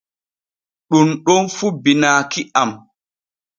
Ɗun ɗon fu binaaki am.